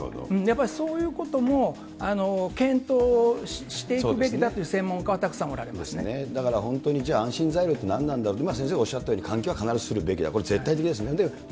やっぱりそういうことも検討していくべきだという専門家はたくさだから本当に、じゃあ、安心材料って何なんだろうと、今、先生がおっしゃったように換気は必ずするべきだ、これ、絶対的です。